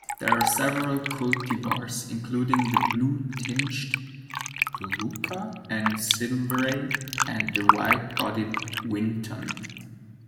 There are several cultivars, including the blue-tinged 'Glauca' and 'Silveray' and the wide-bodied 'Winton'.